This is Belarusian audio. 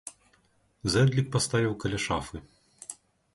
Зэдлік паставіў каля шафы.